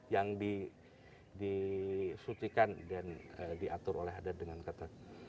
yang di disutikan dan diatur oleh adat dengan ketat